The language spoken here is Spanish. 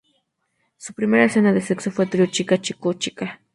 Su primera escena de sexo fue un trío chica-chico-chica.